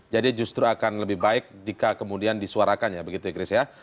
jadi justru akan lebih baik jika kemudian disuarakan ya begitu ya chris ya